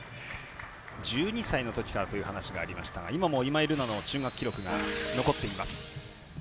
１２歳のときからという話がありましたが今も今井月の中学記録が残っています。